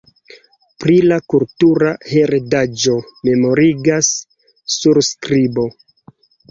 Pri la kultura heredaĵo memorigas surskribo.